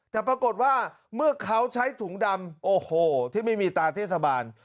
แต่ปรากฏว่าเมื่อเขาใช้ถุงดำโอ้โหที่ไม่มีตาเทศบาล